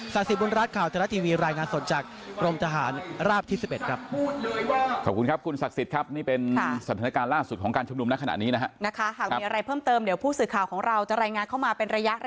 สิบุญรัฐข่าวทะละทีวีรายงานสดจากกรมทหารราบที่๑๑ครับ